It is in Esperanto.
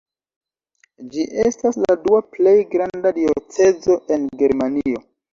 Ĝi estas la dua plej granda diocezo en Germanio.